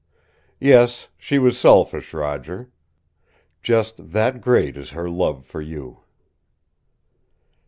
Yes, she was selfish, Roger. Just that great is her love for you."